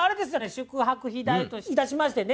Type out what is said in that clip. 宿泊費代といたしましてね